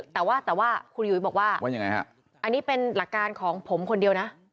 แต่ว่าคุณหยุยบอกว่าอันนี้เป็นหลักการของผมคนเดียวนะ